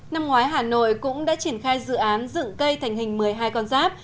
năm ngoái hà nội cũng đã triển khai dự án dựng cây thành hình một mươi hai con giáp